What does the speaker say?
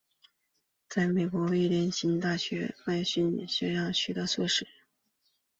在美国威斯康辛大学麦迪逊分校取得硕士。